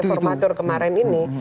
formatur kemarin ini